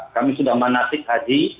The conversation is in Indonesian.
kami sudah manasik haji